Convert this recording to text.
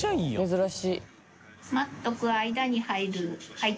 珍しい。